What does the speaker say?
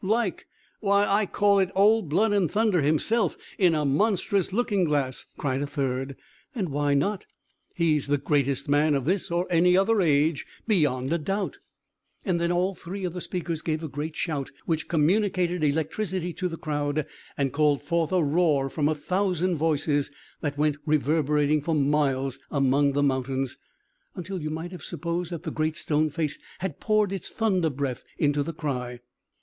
"Like! why, I call it Old Blood and Thunder himself, in a monstrous looking glass!" cried a third. "And why not? He's the greatest man of this or any other age, beyond a doubt." And then all three of the speakers gave a great shout, which communicated electricity to the crowd, and called forth a roar from a thousand voices, that went reverberating for miles among the mountains, until you might have supposed that the Great Stone Face had poured its thunder breath into the cry.